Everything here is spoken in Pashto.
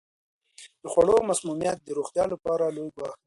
د خوړو مسمومیت د روغتیا لپاره لوی ګواښ دی.